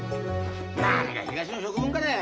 なにが東の食文化だよ。